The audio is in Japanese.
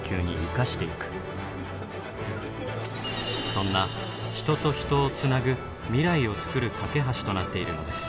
そんな人と人をつなぐ未来をつくる懸け橋となっているのです。